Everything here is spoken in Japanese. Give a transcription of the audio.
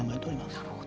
なるほど。